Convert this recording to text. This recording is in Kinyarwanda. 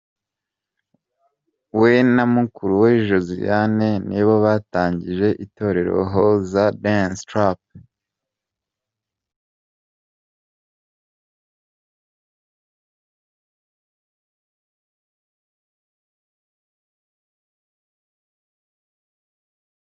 We na mukuru we Josiane ni bo batangije itorero Hoza Dance Troupe.